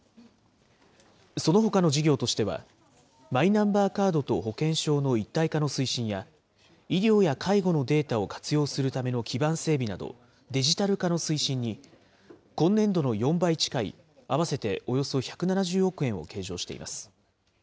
そのほかの事業としては、マイナンバーカードと保険証の一体化の推進や、医療や介護のデータを活用するための基盤整備など、デジタル化の推進に今年度の４倍近い、合わせておよそ１７０億円を計上しています。